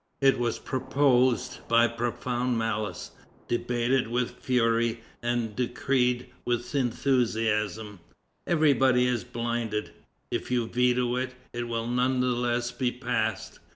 It was proposed by profound malice, debated with fury, and decreed with enthusiasm; everybody is blinded. If you veto it, it will none the less be passed."